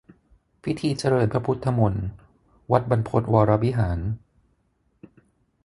พิธีเจริญพระพุทธมนต์ วัดบรรพตวรวิหาร